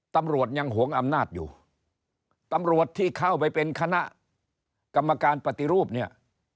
ตำรวจยังหวงอำนาจอยู่ตำรวจที่เข้าไปเป็นคณะกรรมการปฏิรูปเนี่ย